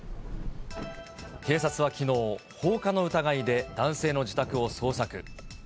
警察はきのう、放火の疑いで男性の自宅を捜索。